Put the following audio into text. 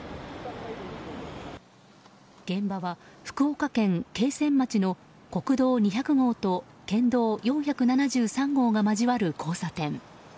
現場は福岡県桂川町の国道２００号と県道４７３号が交わる交差点。